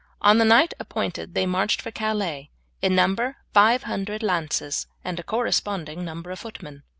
On the night appointed they marched for Calais, in number five hundred lances and a corresponding number of footmen.